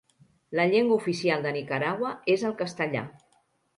La llengua oficial de Nicaragua és el castellà.